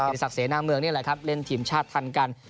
เป็นศักดิ์เสน่ห์หน้าเมืองนี่แหละครับเล่นทีมชาติทันกัน